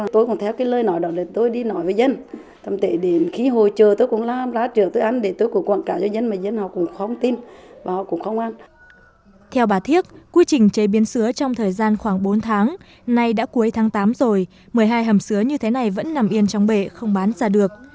theo bà thiếc quy trình chế biến sứa trong thời gian khoảng bốn tháng nay đã cuối tháng tám rồi một mươi hai hầm xứa như thế này vẫn nằm yên trong bể không bán ra được